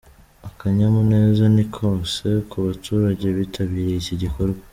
Akanyamuneza ni kose ku baturage bitabiriye iki gikorwa….